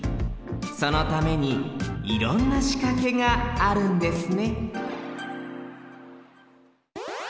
そのためにいろんなしかけがあるんですね